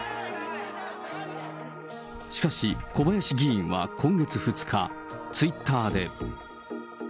しかし、小林議員は今月２日、ツイッターで。